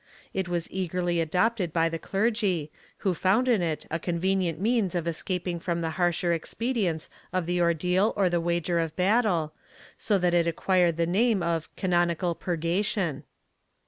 It was eagerly adopted by the clergy, who found in it a convenient means of escaping from the harsher expedients of the ordeal or the wager of battle, so that it acquired the name of canonical purgation.